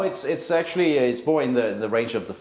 tapi tentu saja itu sistem uang uang yang progresif